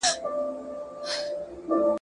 تاسي باید د خپل عمر د هرې ساه شکر وباسئ.